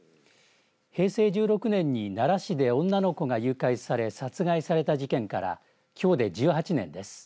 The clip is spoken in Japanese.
平成１６年に奈良市で女の子が誘拐され殺害された事件からきょうで１８年です。